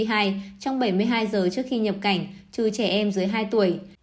trong bảy mươi hai giờ trước khi nhập cảnh trừ trẻ em dưới hai tuổi